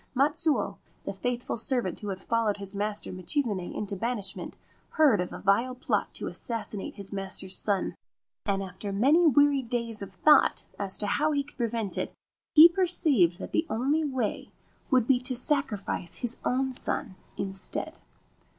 Matsuo, the faithful servant who had followed his master Michizane into banishment, heard of a vile plot to assassinate his master's son, and after many weary days of thought as to how he could prevent it he per ceived that the only way would be to sacrifice his own son instead.